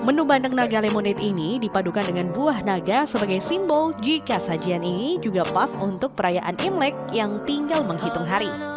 menu bandeng naga lemonate ini dipadukan dengan buah naga sebagai simbol jika sajian ini juga pas untuk perayaan imlek yang tinggal menghitung hari